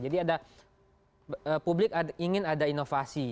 jadi ada publik ingin ada inovasi